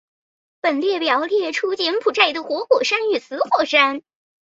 本列表列出柬埔寨的活火山与死火山。